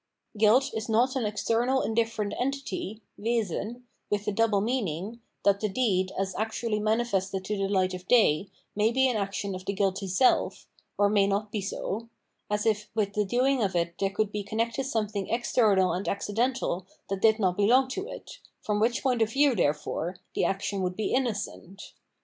Guilt is not an external indifierent entity (Wesen) with the double meaning, that the deed, as actually manifested to the light of day, may be an action of the guilty self, or may not be so, as if with the doing of it there could be connected something external and accidental that did not belong to it, from which point of view, therefore, the action would be innocent.